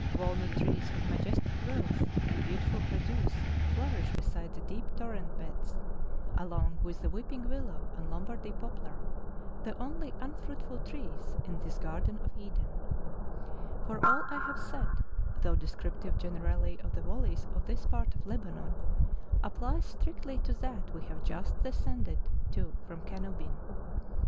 Walnut trees of majestic growth and beautiful produce, flourish beside the deep torrent beds, along with the weeping willow and Lombardy poplar, the only unfruitful trees in this garden of Eden; for all I have said, though descriptive gene¬ rally of the valleys of this part of Lebanon, applies strictly to that we have just descended to from Canu bin.